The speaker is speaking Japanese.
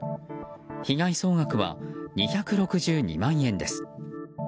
被害総額は、２６２万円です。